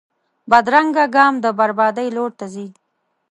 بدرنګه ګام د بربادۍ لور ته ځي